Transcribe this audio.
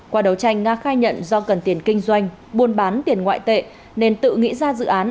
qua đấu tranh nga khai nhận do cần tiền kinh doanh buôn bán tiền ngoại tệ nên tự nghĩ ra dự án